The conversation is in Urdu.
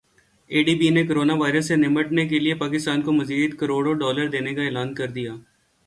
اے ڈی بی نے کورونا وائرس سے نمٹنے کیلئے پاکستان کو مزید کروڑ ڈالر دینے کا اعلان کردیا